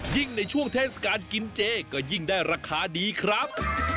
ยิ่งในช่วงเทศกาลกินเจก็ยิ่งได้ราคาดีครับ